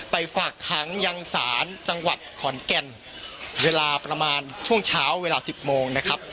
ฝากค้างยังศาลจังหวัดขอนแก่นเวลาประมาณช่วงเช้าเวลาสิบโมงนะครับ